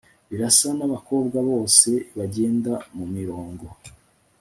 birasa nabakobwa bose bagenda mumirongo